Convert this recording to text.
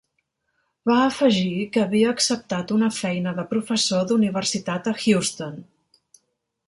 Va afegir que havia acceptat una feina de professor d'universitat a Houston.